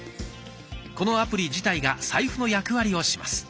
このアプリ自体がサイフの役割をします。